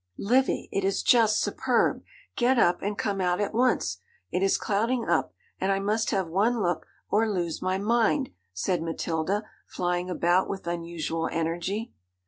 'Livy, it is just superb! Get up and come out at once. It is clouding up, and I must have one look or lose my mind,' said Matilda, flying about with unusual energy.